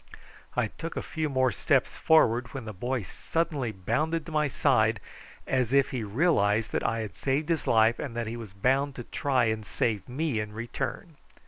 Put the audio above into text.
I took a few more steps forward when the boy suddenly bounded to my side as if he realised that I had saved his life and that he was bound to try and save me in turn.